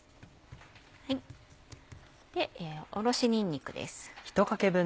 おろしにんにくです。